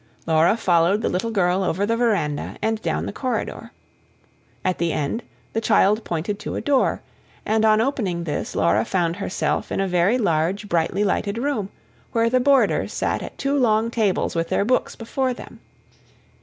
Laura followed the little girl over the verandah and down the corridor. At the end, the child pointed to a door, and on opening this Laura found herself in a very large brightly lighted room, where the boarders sat at two long tables with their books before them.